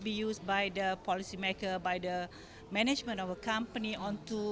kalau kita berbicara tentang tekanan